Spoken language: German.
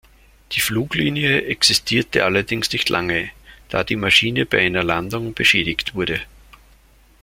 Die Fluglinie existierte allerdings nicht lange, da die Maschine bei einer Landung beschädigt wurde.